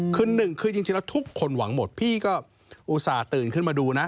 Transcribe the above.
คือหนึ่งคือจริงแล้วทุกคนหวังหมดพี่ก็อุตส่าห์ตื่นขึ้นมาดูนะ